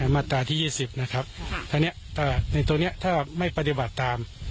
มาตราที่ยี่สิบนะครับครับครับอันนี้อ่าในตรงเนี้ยถ้าไม่ปฏิบัติตาม